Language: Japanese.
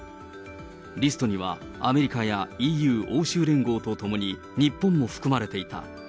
リストにはアメリカやＥＵ・欧州連合とともに日本も含まれていた。